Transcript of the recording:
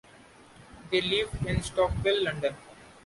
They live in Stockwell, London.